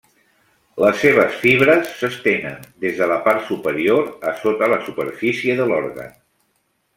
Les seves fibres s'estenen des de la part superior a sota la superfície de l'òrgan.